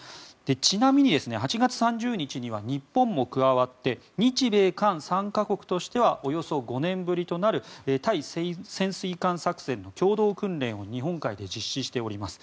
ちなみに８月３０日には日本も加わって日米韓３か国としてはおよそ５年ぶりとなる対潜水艦作戦の共同訓練を日本海で実施しております。